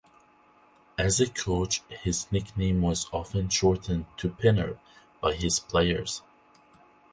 As a coach, his nickname was often shortened to "Pinner" by his players.